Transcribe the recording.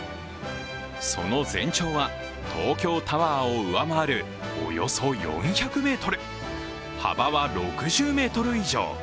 その全長は東京タワーを上回るおよそ４００ｍ、幅は６０ｍ以上。